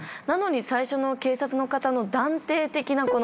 なのに最初の警察の方の断定的な。